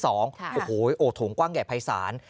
โอ้โหโถงกว้างใหญ่ภายศาล